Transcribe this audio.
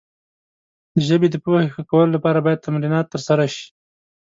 د ژبې د پوهې ښه کولو لپاره باید تمرینات ترسره شي.